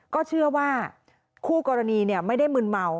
ก็เชื่อว่าคู่กรณีไม่ได้มืนเมา